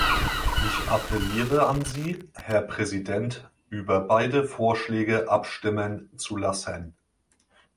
Ich appelliere an Sie, Herr Präsident, über beide Vorschläge abstimmen zu lassen.